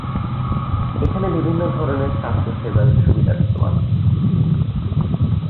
এখানে বিভিন্ন ধরনের স্বাস্থ্য সেবার সুবিধা বিদ্যমান।